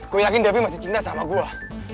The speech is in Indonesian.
gue yakin devi masih cinta sama gue